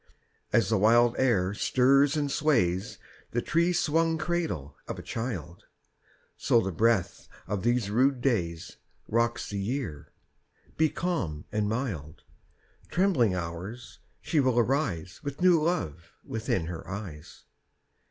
3. As the wild air stirs and sways The tree swung cradle of a child, So the breath of these rude days _15 Rocks the Year: be calm and mild, Trembling Hours, she will arise With new love within her eyes.